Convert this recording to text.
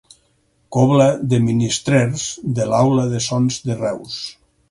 Cobla de Ministrers de l'Aula de Sons de Reus.